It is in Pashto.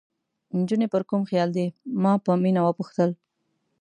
نجونې پر کوم خیال دي؟ ما په مینه وپوښتل.